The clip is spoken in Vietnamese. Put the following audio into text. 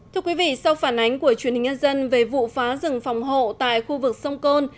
thưa quý vị sau phản ánh của truyền hình nhân dân về vụ phá rừng phòng hộ tại khu vực sông côn